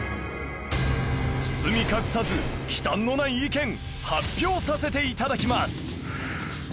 包み隠さず忌憚のない意見発表させて頂きます